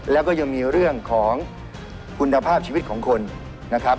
แล้วก็ยังมีเรื่องของคุณภาพชีวิตของคนนะครับ